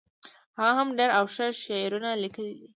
هغه هم ډیر او هم ښه شعرونه لیکلي دي